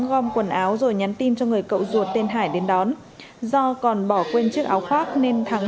gom quần áo rồi nhắn tin cho người cậu ruột tên hải đến đón do còn bỏ quên chiếc áo khác nên thắng